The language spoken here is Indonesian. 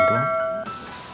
bantuan apa ibu